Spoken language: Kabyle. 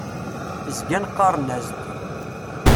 Zgan qqaren-as-d.